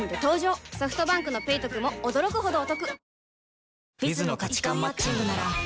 ソフトバンクの「ペイトク」も驚くほどおトク